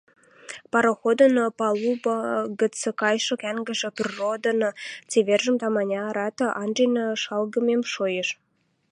Пароходын палуба гӹц кайшы кӓнгӹж природын цевержӹм таманярат анжен шалгымет шоэш.